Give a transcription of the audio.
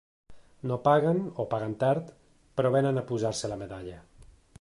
No paguen, o paguen tard, però vénen a posar-se la medalla.